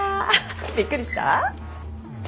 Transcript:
びっくりした？